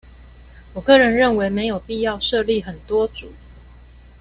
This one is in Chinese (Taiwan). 我個人認為沒有必要設立很多組